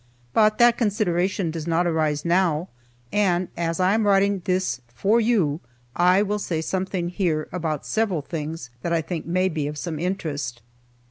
But that consideration does not arise now, and as I am writing this for you, I will say something here about several things that I think may be of some interest.